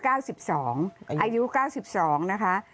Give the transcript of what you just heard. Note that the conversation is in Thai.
อายุ๙๒นะคะ